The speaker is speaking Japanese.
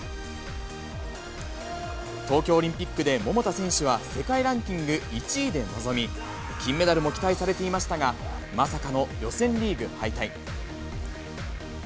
東京オリンピックで桃田選手は世界ランキング１位で臨み、金メダルも期待されていましたが、まさかの予選リーグ敗退。